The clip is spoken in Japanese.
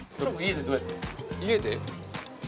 家で？